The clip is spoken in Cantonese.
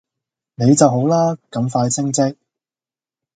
你就好啦！咁快升職。